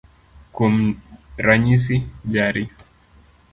Kuom ranyisi, jari